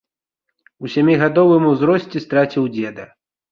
У сямігадовым узросце страціў і дзеда.